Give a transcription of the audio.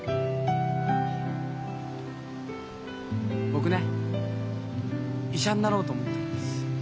僕ね医者になろうと思ってるんです。